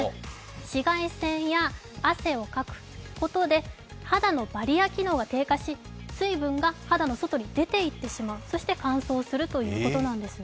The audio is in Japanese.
紫外線や汗をかくことで肌のバリア機能が低下し、水分が肌の外に出ていってしまう、そして乾燥するということなんですね。